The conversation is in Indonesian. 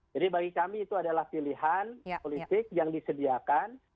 jadi bagi kami itu adalah pilihan politik yang disediakan